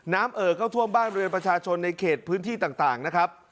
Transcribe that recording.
เอ่อเข้าท่วมบ้านเรือนประชาชนในเขตพื้นที่ต่างนะครับ